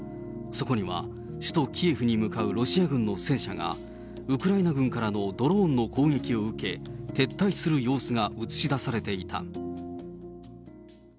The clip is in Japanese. そこには、首都キエフに向かうロシア軍の戦車が、ウクライナ軍からのドローンの攻撃を受け、撤退する様子が映し出されていた。